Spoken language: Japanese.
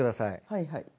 はいはい。